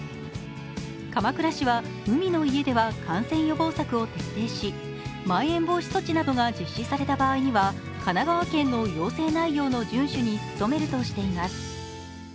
鎌倉市は、海の家では感染予防策を徹底し、まん延防止措置などが実施された場合には神奈川県の要請内容の順守に努めるとしています。